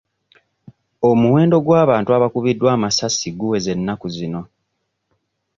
Omuwendo gw'abantu abakubiddwa amasasi guweze ennaku zino.